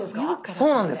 そうなんです。